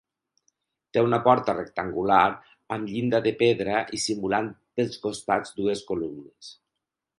Té una porta rectangular, amb llinda de pedra i simulant pels costats dues columnes.